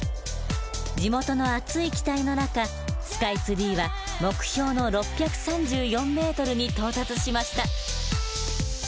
地元の熱い期待の中スカイツリーは目標の６３４ｍに到達しました。